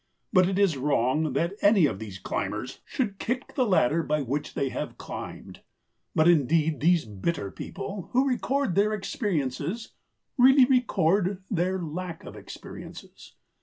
But it is wrong that any of these climbers should kick the ladder by which they have climbed. But indeed these bitter people who record their experiences really record their lack of experiences.